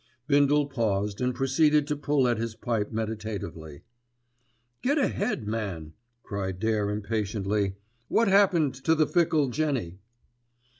Bindle paused and proceeded to pull at his pipe meditatively. "Get ahead, man," cried Dare impatiently. "What happened to the fickle Jenny?"